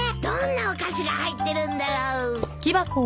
どんなお菓子が入ってるんだろう？